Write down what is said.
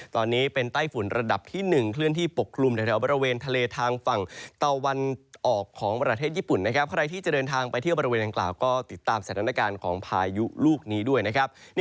ตอนนี้เป็นใต้ฝุนระดับที่๑เคลื่อนที่ปกคลุมโรงแรงในอบริเวณทะเลทางฝั่ง